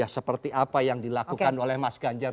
seperti apa yang dilakukan oleh mas ganjar